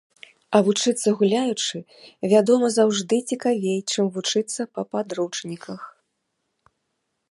А вучыцца гуляючы, вядома, заўжды цікавей, чым вучыцца па падручніках.